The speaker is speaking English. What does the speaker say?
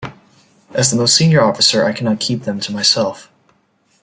As the most senior officer I cannot keep them to myself.